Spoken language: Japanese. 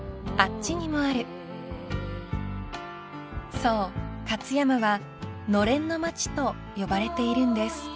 ［そう勝山は「のれんの町」と呼ばれているんです］